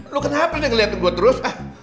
lu kenapa sih ngeliat gue terus